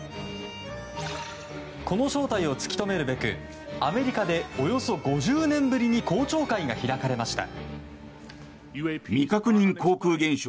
この正体を突き止めるべくアメリカでおよそ５０年ぶりに公聴会が開かれました。